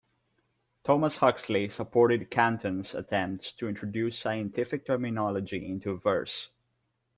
Thomas Huxley supported Canton's attempts to introduce scientific terminology into verse.